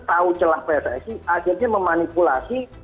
tahu celah pssi akhirnya memanipulasi